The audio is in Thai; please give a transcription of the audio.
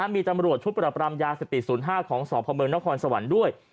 มีตำรวจชุดปรับรำยาเสพติศูนย์๐๕ของสพนครสวรรค์ด้วย